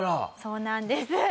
そうなんです。